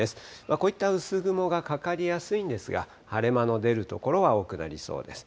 こういった薄雲がかかりやすいんですが、晴れ間の出る所は多くなりそうです。